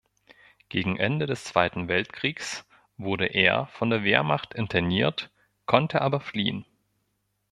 Gegen Ende des Zweiten Weltkriegs wurde er von der Wehrmacht interniert, konnte aber fliehen.